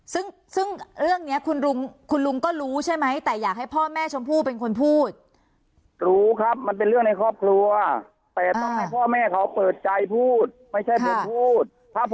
ซึ่งเรื่องนี้คุณลุงคุณลุงก็รู้ใช่ไหมแต่อยากให้พ่อแม่ชมพู่เป็นคนพูด